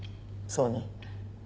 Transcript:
そうね。